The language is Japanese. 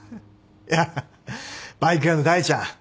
いやバイク屋の大ちゃん。